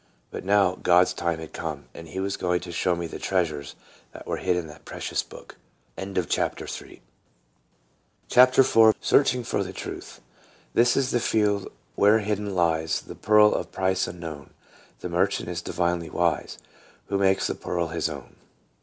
But now God's time had come, and he was going to show me the treasures that were hid in that precious book. 20 TRANSFORMED. CHAPTER IV. SEARCHING FOR TRUTH. "This is the field where hidden lies The pearl of price unknown ; The merchant is divinely wise Who makes the pearl his own."